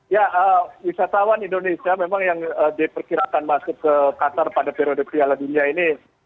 ya wisatawan indonesia memang yang diperkirakan masuk ke qatar pada periode piala dunia ini